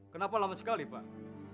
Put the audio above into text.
kenapa lama sekali pak